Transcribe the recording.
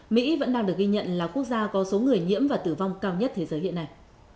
mỹ vẫn đang được ghi nhận là quốc gia có số người nhiễm và tử vong cao nhất thế giới hiện nay